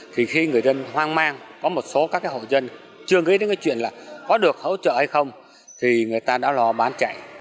thì khi người dân hoang mang có một số các hộ dân chưa nghĩ đến cái chuyện là có được hỗ trợ hay không thì người ta đã lo bán chạy